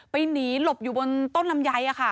หนีหลบอยู่บนต้นลำไย